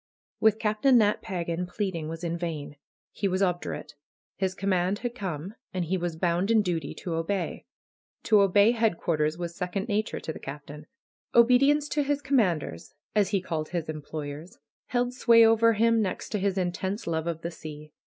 With Captain Nat Pagan pleading was in vain. He was obdurate. His command had come, and he was bound in duty to obey. To obey headquarters was second na ture to the Captain. Obedience to his commanders, as he called his employers, held sway over him next to his intense love of the sea.